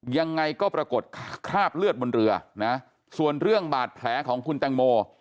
ยังไงก็ปรากฏคราบเลือดบนเรือนะส่วนเรื่องบาดแผลของคุณแตงโม